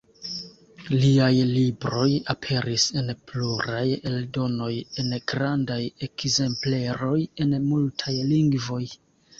Liaj libroj aperis en pluraj eldonoj en grandaj ekzempleroj, en multaj lingvoj.